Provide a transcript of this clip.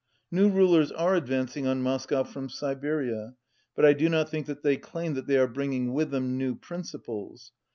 New rulers are advancing on Moscow from Si beria, but I do not think that they claim that they are bringing with them new principles.